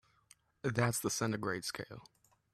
That's the centigrade scale.